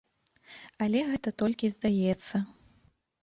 Але гэта толькі здаецца.